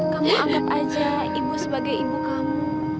kamu anggap aja ibu sebagai ibu kamu